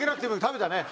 食べたね？